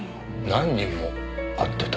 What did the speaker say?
何人も会ってた